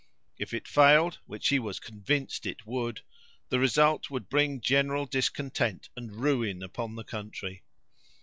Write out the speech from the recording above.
If it failed, which he was convinced it would, the result would bring general discontent and ruin upon the country.